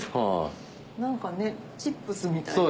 何かチップスみたいな。